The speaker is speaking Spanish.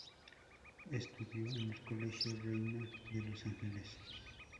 Estudió en el Colegio Reina de los Ángeles.